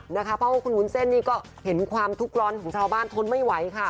เพราะว่าคุณวุ้นเส้นนี่ก็เห็นความทุกข์ร้อนของชาวบ้านทนไม่ไหวค่ะ